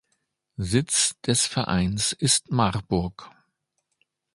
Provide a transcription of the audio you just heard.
Sitz des Vereins ist Marburg.